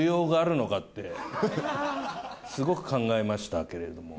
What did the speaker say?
すごく考えましたけれども。